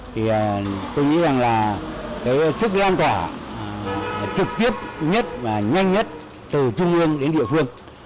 thì tôi nghĩ rằng là cái sức lan tỏa trực tiếp nhất và nhanh nhất từ trung ương đến địa phương